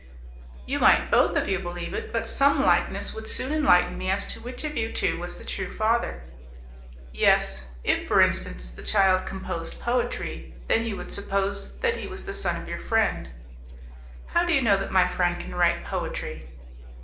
"You might both of you believe it, but some likeness would soon enlighten me as to which of you two was the true father." "Yes. If, for instance, the child composed poetry, then you would suppose that he was the son of your friend." "How do you know that my friend can write poetry?"